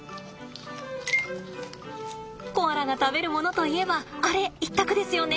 コアラが食べるものといえばあれ一択ですよね。